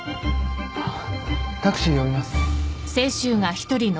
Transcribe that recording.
タクシー呼びますよ。